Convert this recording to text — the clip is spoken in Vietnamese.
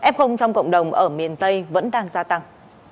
f trong cộng đồng ở miền tây vẫn đang gia tăng